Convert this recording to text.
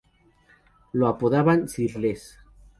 Lo apodaban Sir Les.